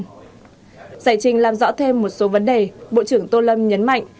giải trình làm rõ thêm một số vấn đề bộ trưởng tô lâm nhấn mạnh